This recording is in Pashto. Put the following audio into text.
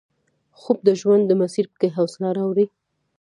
خوب د ژوند په مسیر کې حوصله راوړي